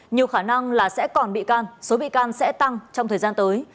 nhiều khả năng là sẽ còn bị can số bị can sẽ tăng trong thời gian tới